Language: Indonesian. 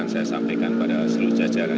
saya sampaikan pada seluruh jajaran